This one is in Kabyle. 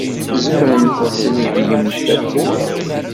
Tzemremt ad tledyemt tawwurt.